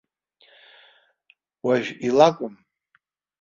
Уажә илакәым.